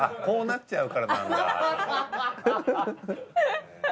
こうなっちゃうからなんだって。